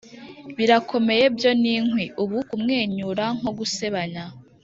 'birakomeye by yon inkwi, ubu kumwenyura nko gusebanya,